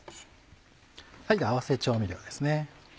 合わせ調味料です。